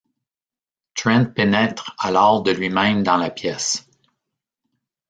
Trent pénètre alors de lui-même dans la pièce.